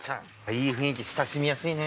いい雰囲気親しみやすいね